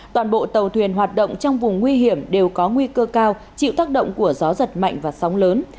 toàn bộ tàu thuyền hoạt động trong vùng nguy hiểm đều có nguy cơ cao chịu tác động của gió giật mạnh và sóng lớn